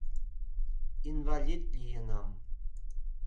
Инвалид лийынам...